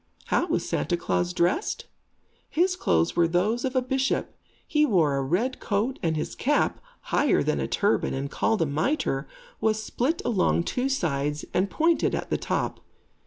How was Santa Klaas dressed? His clothes were those of a bishop. He wore a red coat and his cap, higher than a turban and called a mitre, was split along two sides and pointed at the top.